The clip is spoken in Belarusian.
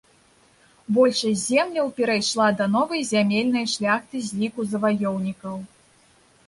Большасць земляў перайшла да новай зямельнай шляхты з ліку заваёўнікаў.